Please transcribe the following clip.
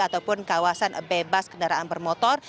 ataupun kawasan bebas kendaraan bermotor